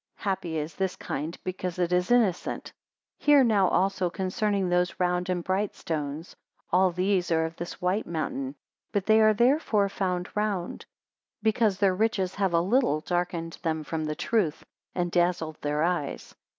Happy is this kind, because it is innocent. 255 Hear now also concerning those round and bright stones; all these are of this white mountain. But they are therefore found round, because their riches have a little darkened them from the truth, and dazzled their eyes.